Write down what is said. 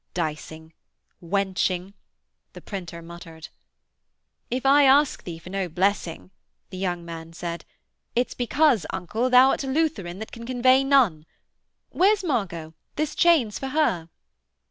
'Dicing ... Wenching ...' the printer muttered. 'If I ask thee for no blessing,' the young man said, 'it's because, uncle, thou'rt a Lutheran that can convey none. Where's Margot? This chain's for her.'